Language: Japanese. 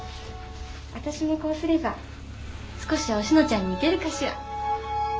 私もこうすれば少しはおしのちゃんに似てるかしら？